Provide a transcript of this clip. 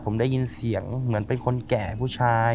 ผมได้ยินเสียงเหมือนเป็นคนแก่ผู้ชาย